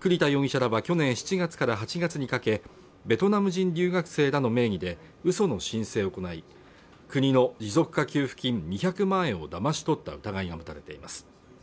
栗田容疑者らは去年７月から８月にかけベトナム人留学生らの名義でうその申請を行い国の持続化給付金２００万円をだまし取った疑いが持たれています